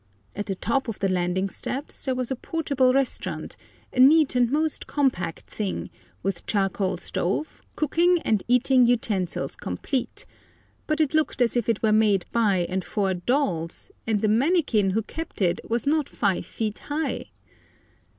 At the top of the landing steps there was a portable restaurant, a neat and most compact thing, with charcoal stove, cooking and eating utensils complete; but it looked as if it were made by and for dolls, and the mannikin who kept it was not five feet high.